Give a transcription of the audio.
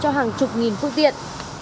cho hàng chục nghìn phương tiện